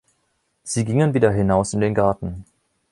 Sie gingen wieder hinaus in den Garten.